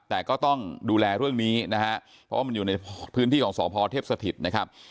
แต่ก็ต้องดูแลเรื่องนี้นะฮะเพราะว่ามันอยู่ในพื้นที่ของสพเทพสถิตนะครับ